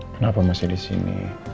kenapa masih disini